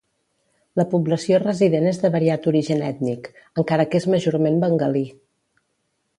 La població resident és de variat origen ètnic, encara que és majorment bengalí.